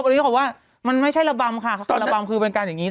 อันนี้ว่ามันไม่ใช่ละละบำค่ะคือเป็นการว่าอย่างนี้